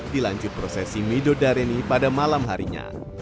dilanjut prosesi midodareni pada malam harinya